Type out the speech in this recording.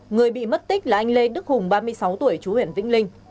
người bị mất tích là anh lê đức hùng ba mươi sáu tuổi chú huyện vĩnh linh